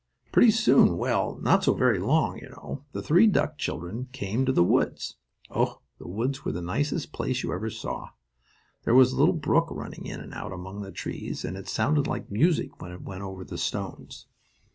Pretty soon, well, not so very long, you know, the three duck children came to the woods. Oh, the woods were the nicest place you ever saw! There was a little brook running in and out among the trees, and it sounded like music when it went over the stones.